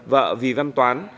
vợ vì văn toán